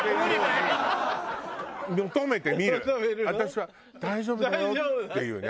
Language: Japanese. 私は大丈夫だよっていうね。